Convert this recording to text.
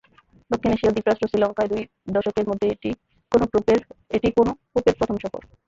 দক্ষিণ এশীয় দ্বীপরাষ্ট্র শ্রীলঙ্কায় দুই দশকের মধ্যে এটিই কোনো পোপের প্রথম সফর।